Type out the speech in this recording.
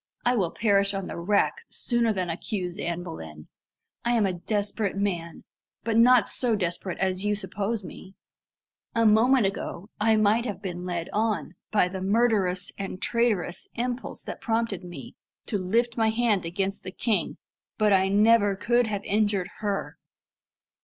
I will perish on the rack sooner than accuse Anne Boleyn. I am a desperate man, but not so desperate as you suppose me. A moment ago I might have been led on, by the murderous and traitorous impulse that prompted me, to lift my hand against the king, but I never could have injured her."